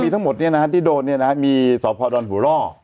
มีทั้งหมดเนี่ยนะที่โดดเนี่ยนะมีสอพอร์ดอนหุร่อ